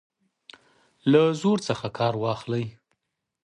له زور څخه کار واخلي.